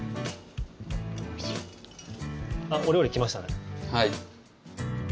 お料理、来ましたね。